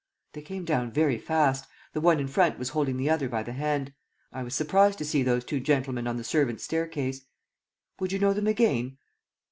"They came down very fast. The one in front was holding the other by the hand. I was surprised to see those two gentlemen on the servants' staircase." "Would you know them again?"